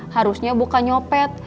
harusnya bukan nyopet